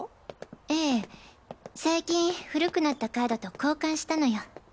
ええ最近古くなったカードと交換したのよ。